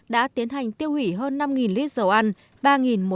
đã tiến hành tiêu hủy hơn năm lít dầu ăn